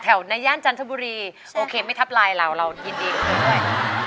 ในย่านจันทบุรีโอเคไม่ทับไลน์เราเรายินดีกับคุณด้วย